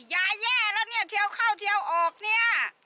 แย่แล้วเนี่ยเทียวเข้าเทียวออกเนี่ย